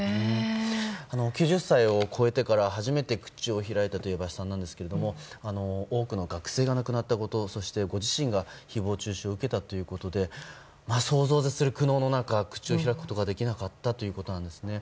９０歳を超えてから初めて口を開いたという江橋さんなんですけど多くの学生が亡くなったことそしてご自身が誹謗中傷を受けたということで想像を絶する苦悩の中口を開くことができなかったということなんですね。